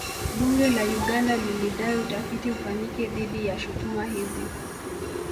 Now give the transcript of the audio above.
Bunge la Uganda lilidai utafiti ufanyike dhidi ya shutuma hizi